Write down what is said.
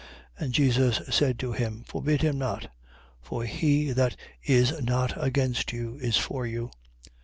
9:50. And Jesus said to him: Forbid him not: for he that is not against you is for you.